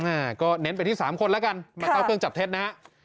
อ่าก็เน้นไปที่สามคนแล้วกันมาเข้าเครื่องจับเท็จนะฮะ